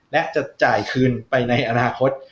และจะจ่ายคืนไปในอนาคต